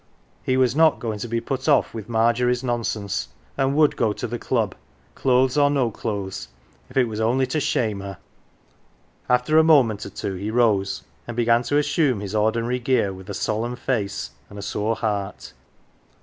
He was not going to be put off' with Margery's nonsense, and would go to the Club, clothes or no clothes, if it was only to shame her. After a moment or two he rose and began to assume his ordinary gear with a solemn face and a sore heart.